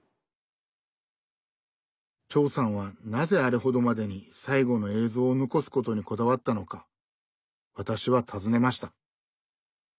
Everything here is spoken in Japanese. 長さんはなぜあれほどまでに最期の映像を残すことにこだわったのか私は尋ねました。